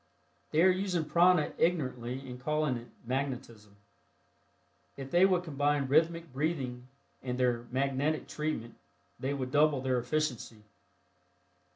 They are using prana ignorantly and calling it "magnetism." If they would combine rhythmic breathing with their "magnetic" treatment they would double their efficiency.